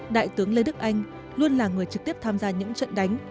đại tướng lê đức anh luôn là người trực tiếp tham gia những trận đánh